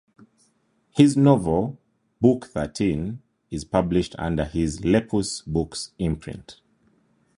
His novel "Book Thirteen" is published under his Lepus Books imprint.